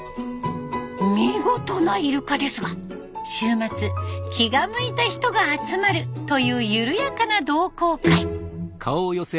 見事なイルカですが週末気が向いた人が集まるという緩やかな同好会。